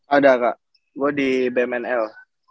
ada kak gue di bmnl